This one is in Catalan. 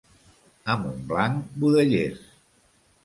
A Montblanc, budellers.